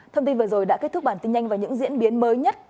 thông tin vừa rồi đã kết thúc bản tin nhanh và những diễn biến mới nhất